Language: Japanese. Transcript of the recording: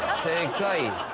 正解。